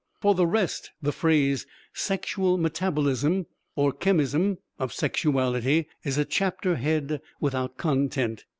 For the rest, the phrase "sexual metabolism" or "chemism of sexuality" is a chapter head without content.